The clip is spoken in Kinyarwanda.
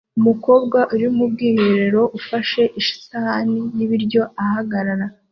Umukobwa uri mu bwiherero ufashe isahani y'ibiryo ahagarara